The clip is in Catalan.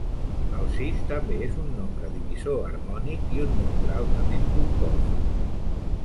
El sis també és un nombre divisor harmònic i un nombre altament compost.